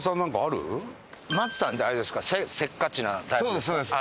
そうですそうです。